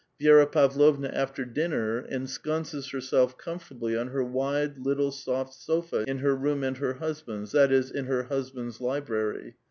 Vi6ra Pavlovim after dinner ensconces lierself comfortably on her wide, little, soft divantcJuk in her Toom and her husband's ; that is, in lier husband's library.